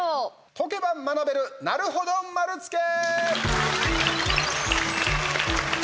解けば学べるなるほど丸つけ！